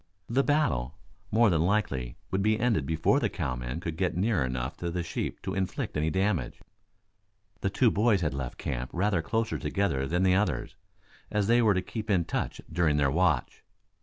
The battle, more than likely, would be ended before the cowmen could get near enough to the sheep to inflict any damage. The two boys left camp rather closer together than had the others, as they were to keep in touch during their watch.